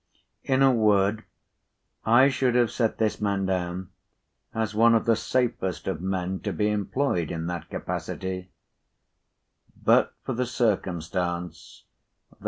In a word, I should have set this man down as one of the safest of men to be employed in that capacity, but for the circumstance that p.